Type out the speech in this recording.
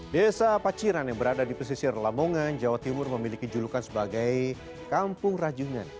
desa paciran yang berada di pesisir lamongan jawa timur memiliki julukan sebagai kampung rajungan